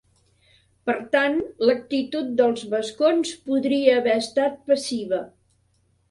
Per tant l'actitud dels vascons podria haver estat passiva.